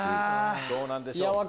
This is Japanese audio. どうなんでしょう？